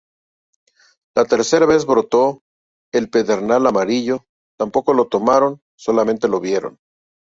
La tercera vez brotó el pedernal amarillo; tampoco lo tomaron, solamente lo vieron.